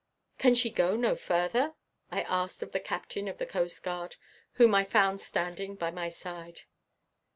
"Can she go no further?" I asked of the captain of the coastguard, whom I found standing by my side.